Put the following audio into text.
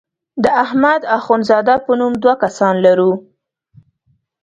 د احمد اخوند زاده په نوم دوه کسان لرو.